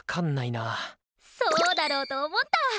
そうだろうと思った。